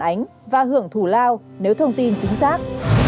phản ánh và hưởng thủ lao nếu thông tin chính xác